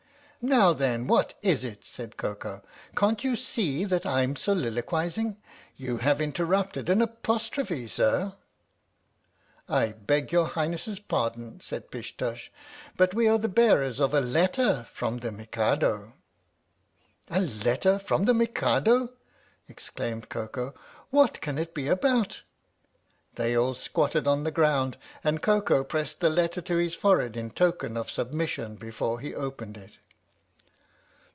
" Now then, what is it?" said Koko. "Can't you see that I'm soliloquizing? You have interrupted an apostrophe, sir !"" I beg your Highness's pardon," said Pish Tush, THE STORY OF THE MIKADO " but we are the bearers of a letter from the Mikado." "A letter from the Mikado!" exclaimed Koko. "What can it be about?" They all squatted on the ground, and Koko pressed the letter to his forehead in token of sub mission before he opened it.